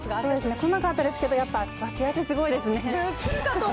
来なかったですけど、やっぱ脇汗すごいですね。